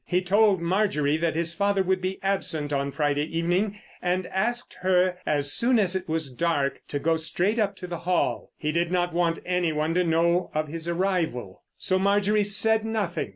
He told Marjorie that his father would be absent on Friday evening, and asked her as soon as it was dark to go straight up to the Hall. He did not want anyone to know of his arrival. So Marjorie said nothing.